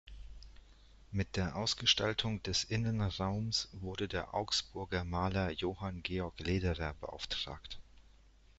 Mit der Ausgestaltung des Innenraums wurde der Augsburger Maler Johann Georg Lederer beauftragt.